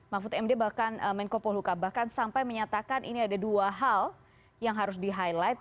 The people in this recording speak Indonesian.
mahfud md bahkan menko poluka bahkan sampai menyatakan ini ada dua hal yang harus di highlight